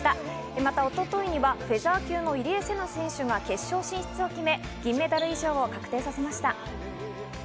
また、一昨日はフェザー級の入江聖奈選手が決勝進出を決め、銀メダル以上を確定させました。